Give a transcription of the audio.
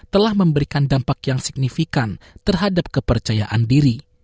telah memberikan dampak yang signifikan terhadap kepercayaan diri